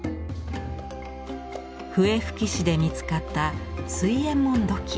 笛吹市で見つかった水煙文土器。